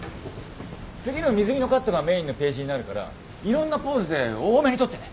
次の水着のカットがメインのページになるからいろんなポーズで多めに撮ってね。